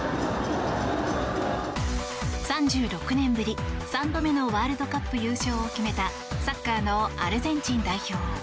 ３６年ぶり３度目のワールドカップ優勝を決めたサッカーのアルゼンチン代表。